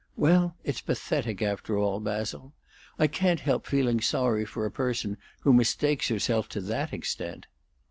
Well, it's pathetic, after all, Basil. I can't help feeling sorry for a person who mistakes herself to that extent."